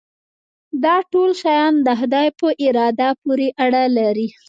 دا ټول شیان د خدای په اراده پورې اړه لري.